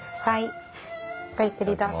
ごゆっくりどうぞ。